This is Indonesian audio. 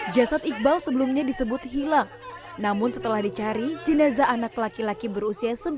jasad iqbal sebelumnya disebut hilang namun setelah dicari jenazah anak laki laki berusia